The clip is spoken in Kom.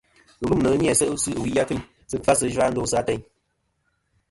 Ghɨlûmnɨ ni-a se' sɨ ɨwi a kfiyn sɨ kfa sɨ zha ndosɨ ateyn.